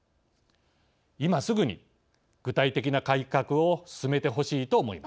今すぐに具体的な改革を進めてほしいと思います。